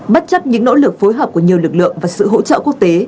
bất chấp những nỗ lực phối hợp của nhiều lực lượng và sự hỗ trợ quốc tế